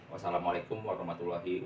wassalamualaikum warahmatullahi wabarakatuh